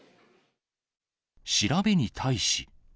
調べに対し。